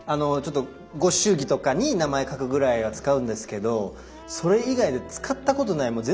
ちょっとご祝儀とかに名前書くぐらいは使うんですけどそれ以外で使ったことない。